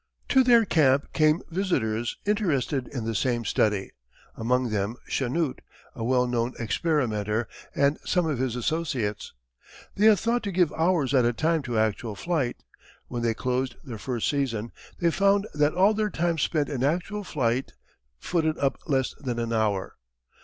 To their camp came visitors interested in the same study, among them Chanute, a well known experimenter, and some of his associates. They had thought to give hours at a time to actual flight. When they closed their first season, they found that all their time spent in actual flight footed up less than an hour.